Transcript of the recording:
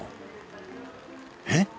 えっ？